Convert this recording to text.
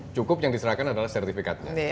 cukup yang diserahkan adalah sertifikatnya